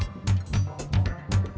semuanya jadi kapal bahasanya